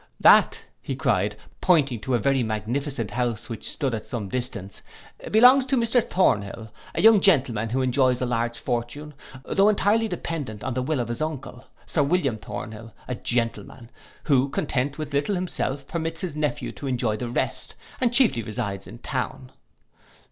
'That,' cried he, pointing to a very magnificent house which stood at some distance, 'belongs to Mr Thornhill, a young gentleman who enjoys a large fortune, though entirely dependent on the will of his uncle, Sir William Thornhill, a gentleman, who content with a little himself, permits his nephew to enjoy the rest, and chiefly resides in town.